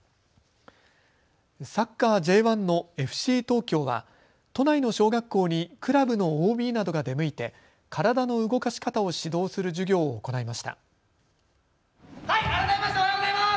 サッカーＪ１のＦＣ東京は都内の小学校にクラブのＯＢなどが出向いて体の動かし方を指導する授業を行いました。